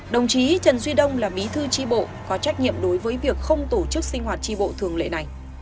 đồng chí trần duy đông là bí thư tri bộ có trách nhiệm đối với việc không tổ chức sinh hoạt tri bộ thường lệ này